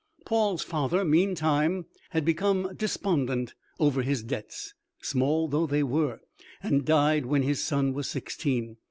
Paul's father, meantime, had become despondent over his debts, small though they were, and died when his son was sixteen.